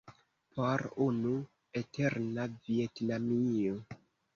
Por unu eterna Vjetnamio.